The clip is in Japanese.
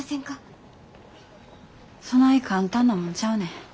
そない簡単なもんちゃうねん。